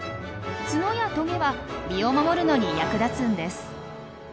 ツノやトゲは身を守るのに役立つんです。